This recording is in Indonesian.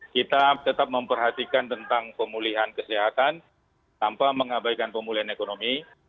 kita tetap memperhatikan tentang pemulihan kesehatan tanpa mengabaikan pemulihan ekonomi